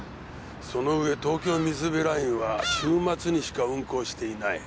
そのうえ東京水辺ラインは週末にしか運行していない。